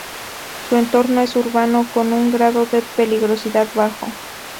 Su entorno es urbano, con un grado de peligrosidad bajo.